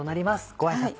ごあいさつ